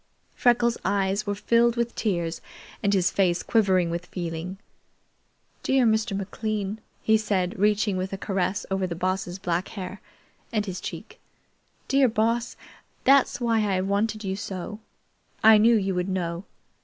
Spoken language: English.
Freckles' eyes were filled with tears and his face quivering with feeling. "Dear Mr. McLean," he said, reaching with a caress over the Boss's black hair and his cheek. "Dear Boss, that's why I've wanted you so. I knew you would know.